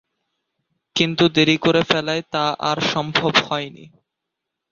কিন্তু দেরী করে ফেলায় তা আর সম্ভব হয়নি।